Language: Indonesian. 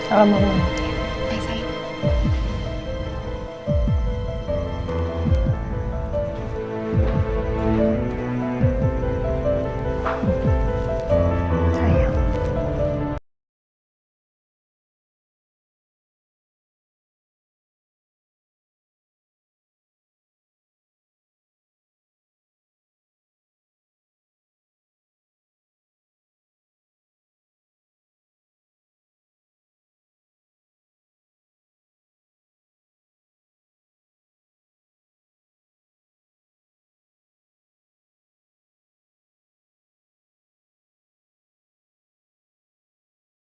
aku tinggal ya tante